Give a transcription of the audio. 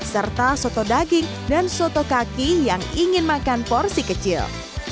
serta soto daging dan soto kaki yang ingin makan porsi kecil